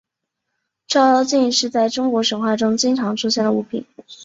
照妖镜是在中国神话中经常出现的物品。